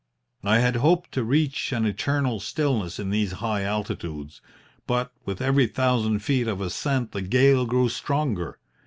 "I had hoped to reach an eternal stillness in these high altitudes, but with every thousand feet of ascent the gale grew stronger.